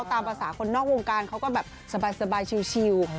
ตามภาษาคนนอกวงการเขาก็แบบสบายชิว